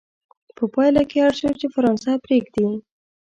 په پایله کې اړ شو چې فرانسه پرېږدي.